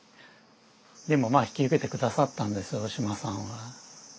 でもまあ引き受けて下さったんですよ大島さんは。